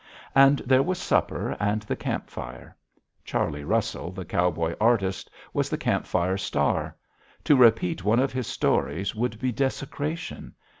And there was supper and the camp fire. Charley Russell, the cowboy artist, was the camp fire star. To repeat one of his stories would be desecration.